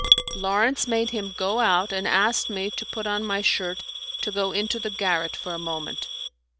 Lawrence made him go out, and asked me to put on my shirt to go into the garret for a moment.